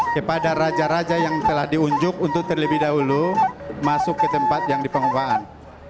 kepada raja raja yang telah diunjuk untuk terlebih dahulu masuk ke tempat yang di pengukaan